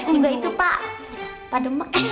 juga itu pak pak demek